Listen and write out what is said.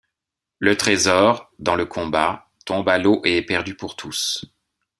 Le trésor, dans le combat, tombe à l'eau et est perdu pour tous.